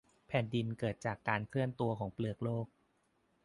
แผ่นดินเกิดจากการเคลื่อนตัวของเปลือกโลก